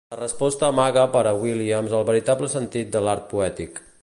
La resposta amaga per a Williams el veritable sentit de l'art poètic.